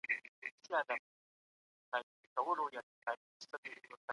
موږ باید ځان ته اجازه ورکړو چې ارام شو.